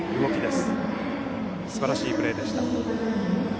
すばらしいプレーでした。